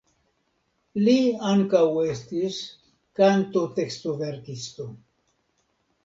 Li ankaŭ estis kantotekstoverkisto.